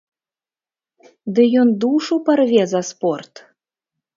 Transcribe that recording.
Ды ён душу парве за спорт!